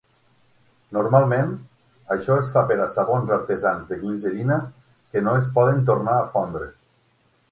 Normalment, això es fa per a sabons artesans de glicerina que no es poden tornar a fondre.